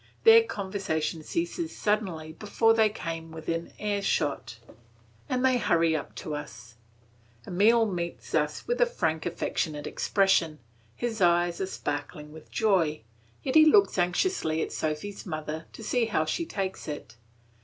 Their conversation ceases suddenly before they come within earshot, and they hurry up to us. Emile meets us with a frank affectionate expression; his eyes are sparkling with joy; yet he looks anxiously at Sophy's mother to see how she takes it.